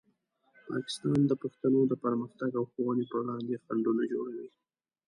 پاکستان د پښتنو د پرمختګ او ښوونې په وړاندې خنډونه جوړوي.